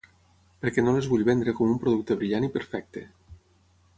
Perquè no les vull vendre com un producte brillant i perfecte.